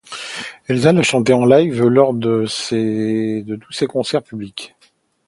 Elsa l'a chantée en live lors de tous ses concerts publics.